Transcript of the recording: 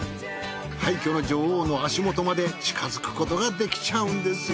廃墟の女王の足元まで近づくことができちゃうんです。